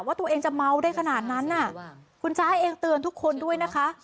ว่าตัวเองจะเมาได้ขนาดนั้นน่ะคุณช้าเองเตือนทุกคนด้วยนะคะ